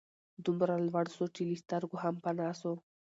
دومره لوړ سو چي له سترګو هم پناه سو